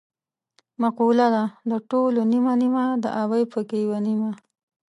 مقوله ده: د ټولو نیمه نیمه د ابۍ پکې یوه نیمه.